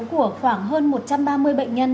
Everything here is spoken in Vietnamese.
của khoảng hơn một trăm ba mươi bệnh nhân